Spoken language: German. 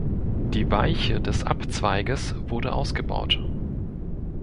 Die Weiche des Abzweiges wurde ausgebaut.